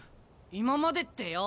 今までってよ